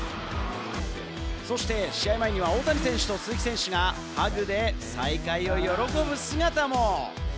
そして試合前には大谷選手と鈴木選手がハグで再会を喜ぶ姿も。